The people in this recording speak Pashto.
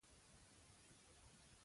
ایا پوهیږئ چې غوري کورنۍ ډېره لرغونې ده؟